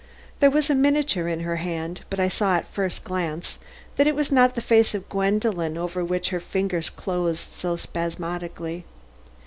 There was a miniature in her hand, but I saw at first glance that it was not the face of Gwendolen over which her fingers closed so spasmodically.